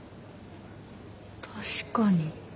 確かに。